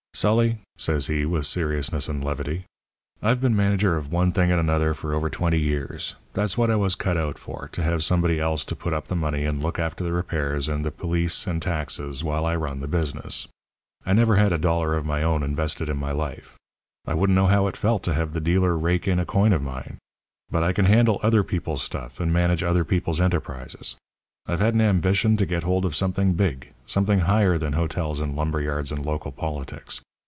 "'Sully,' says he, with seriousness and levity, 'I've been a manager of one thing and another for over twenty years. That's what I was cut out for to have somebody else to put up the money and look after the repairs and the police and taxes while I run the business. I never had a dollar of my own invested in my life. I wouldn't know how it felt to have the dealer rake in a coin of mine. But I can handle other people's stuff and manage other people's enterprises. I've had an ambition to get hold of something big something higher than hotels and lumber yards and local politics.